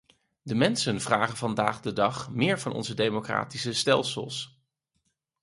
De mensen vragen vandaag de dag meer van onze democratische stelsels.